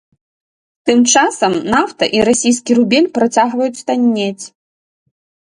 Тым часам нафта і расійскі рубель працягваюць таннець.